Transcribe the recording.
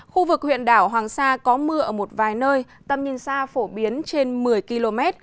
khu vực huyện đảo hoàng sa có mưa ở một vài nơi tầm nhìn xa phổ biến trên một mươi km